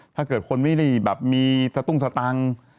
ถ้าเกิดคนมีสะตุ้งสะตัง